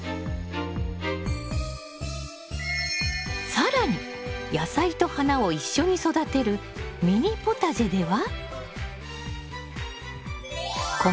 更に野菜と花を一緒に育てるミニポタジェでは。